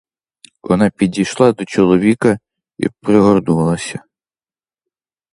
Вона підійшла до чоловіка й пригорнулася.